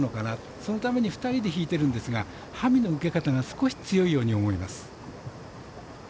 そのために２人で引いているんですがハミの受け方が少し強いように思います。